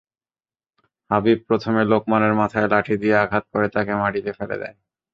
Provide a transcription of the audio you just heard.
হাবিব প্রথমে লোকমানের মাথায় লাঠি দিয়ে আঘাত করে তাকে মাটিতে ফেলে দেয়।